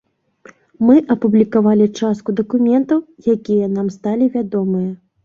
Мы апублікавалі частку дакументаў, якія нам сталі вядомыя.